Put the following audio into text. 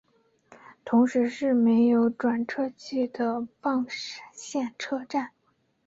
同时是没有转辙器的棒线车站。